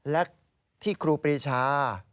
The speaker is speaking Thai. และที่ครูปรีชา